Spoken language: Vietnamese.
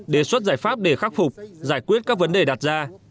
đề xuất giải pháp để khắc phục giải quyết các vấn đề đặt ra